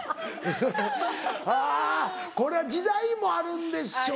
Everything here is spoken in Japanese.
これは時代もあるんでしょう。